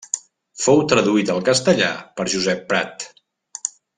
Fou traduït al castellà per Josep Prat.